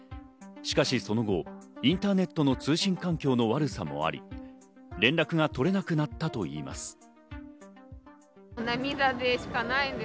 しかしその後、インターネットの通信環境の悪さもあり、連絡がとれなくなったといいます。